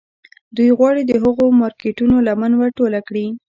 دوی غواړي د هغو مارکيټونو لمن ور ټوله کړي.